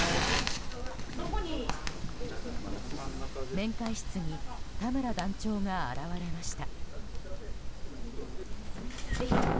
面会室に田村団長が現れました。